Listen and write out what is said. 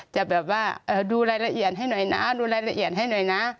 จะแบบว่าดูรายละเอียดให้หน่อยนะดูรายละเอียดให้หน่อยนะ